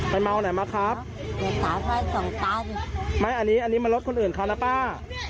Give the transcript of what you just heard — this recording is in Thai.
ไปเมาไหนมาครับสองตั้งไม่อันนี้อันนี้มันรถคนอื่นค่ะนะป้า